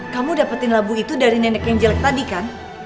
kamu dapetin labu itu dari nenek yang jelek tadi kan